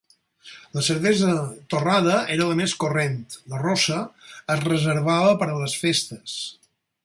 La cervesa torrada era la més corrent, la rossa es reservava per a les festes.